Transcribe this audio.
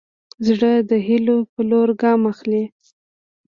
زړه د هيلو په لور ګام اخلي.